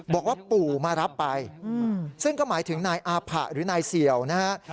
บอกว่าปู่มารับไปซึ่งก็หมายถึงนายอาผะหรือนายเสี่ยวนะฮะ